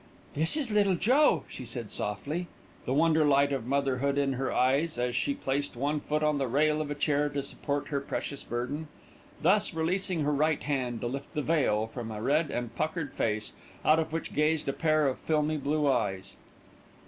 "This is Little Joe," she said softly, the wonder light of motherhood in her eyes, as she placed one foot on the rail of a chair to support her precious burden, thus releasing her right hand to lift the veil from a red and puckered face, out of which gazed a pair of filmy blue eyes.